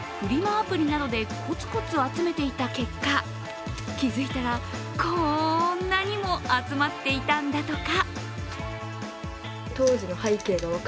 アプリなどでコツコツ集めていた結果、気づいたらこんなにも集まっていたんだとか。